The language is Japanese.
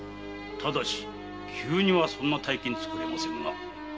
ただし急にはそんな大金つくれませんが。